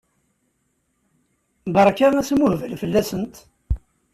Berka asmuhbel fell-asent!